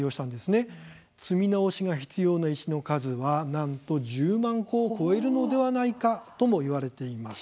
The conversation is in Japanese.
積み直しが必要な石の数はなんと１０万個を超えるのではないかとも言われています。